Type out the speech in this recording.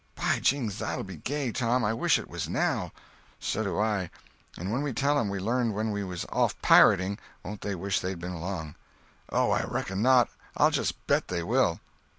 "By jings, that'll be gay, Tom! I wish it was now!" "So do I! And when we tell 'em we learned when we was off pirating, won't they wish they'd been along?" "Oh, I reckon not! I'll just bet they will!"